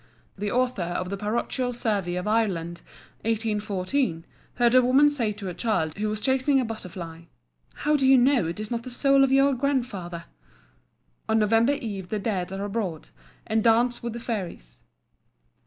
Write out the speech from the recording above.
The author of the Parochial Survey of Ireland, 1814, heard a woman say to a child who was chasing a butterfly, "How do you know it is not the soul of your grandfather." On November eve the dead are abroad, and dance with the fairies.